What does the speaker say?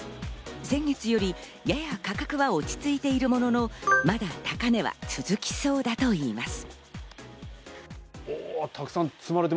先月よりやや価格が落ち着いているものの、まだ高値は続きそうだといいます。